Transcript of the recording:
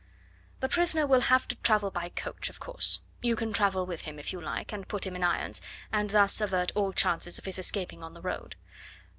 "The prisoner will have to travel by coach, of course. You can travel with him, if you like, and put him in irons, and thus avert all chances of his escaping on the road.